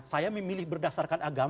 saya memilih berdasarkan agama